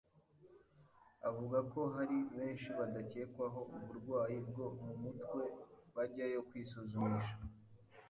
avuga ko hari benshi badakekwaho uburwayi bwo mu mutwe bajyayo kwisuzumisha,